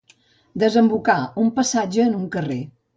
Desembocar un passatge en un carrer.